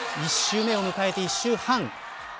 １周目を終えて１周半。